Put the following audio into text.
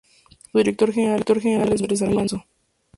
Su Director General es Manuel Andres Alonso.